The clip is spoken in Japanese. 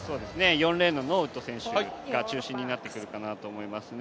４連のノーウッド選手が中心になってくるかなと思いますね。